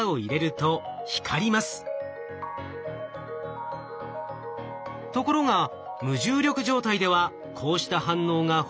ところが無重力状態ではこうした反応がほとんど見られません。